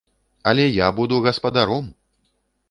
Але я буду гаспадаром!